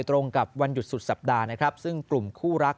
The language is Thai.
ตรงกับวันหยุดสุดสัปดาห์นะครับซึ่งกลุ่มคู่รัก